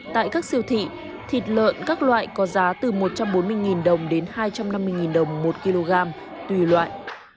tại các siêu thị thịt lợn các loại có giá từ một trăm bốn mươi đồng đến hai trăm năm mươi đồng một kg tùy loại